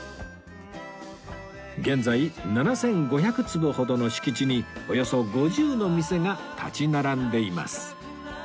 現在７５００坪ほどの敷地におよそ５０の店が立ち並んでいます